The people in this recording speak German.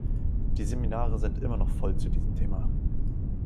Die Seminare sind immer noch voll zu diesem Thema.